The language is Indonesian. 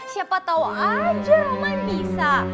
siapa tau aja roman bisa